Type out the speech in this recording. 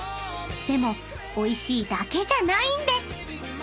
［でもおいしいだけじゃないんです］